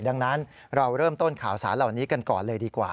ดังนั้นเราเริ่มต้นข่าวสารเหล่านี้กันก่อนเลยดีกว่า